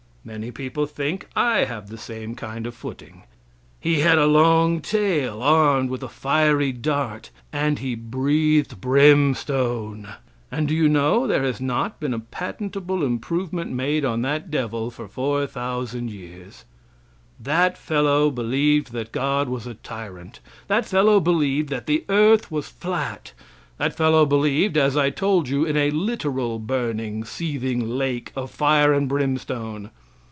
(Many people think I have the same kind of footing.) He had a long tail, armed with a fiery dart, and he breathed brimstone. And do you know there has not been a patentable improvement made on that devil for 4,000 years? That fellow believed that God was a tyrant. That fellow believed that the earth was flat. That fellow believed, as I told you, in a literal burning, seething lake of fire and brimstone.